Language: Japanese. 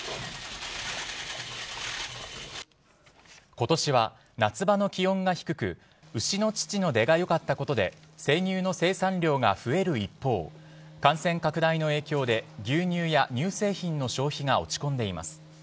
今年は夏場の気温が低く牛の乳の出が良かったことで生乳の生産量が増える一方感染拡大の影響で牛乳や乳製品の消費が落ち込んでいます。